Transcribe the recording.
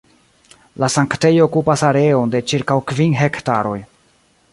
La sanktejo okupas areon de ĉirkaŭ kvin hektaroj.